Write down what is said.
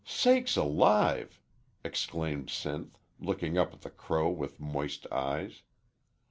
"Sakes alive!" exclaimed Sinth, looking up at the crow with moist eyes.